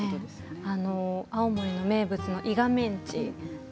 青森の名物のいがめんち